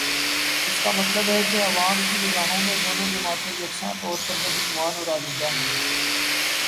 اس کا مطلب ہے کہ عوام کی نگاہوں میں دونوں جماعتیں یکساں طور پر بدعنوان اور آلودہ ہیں۔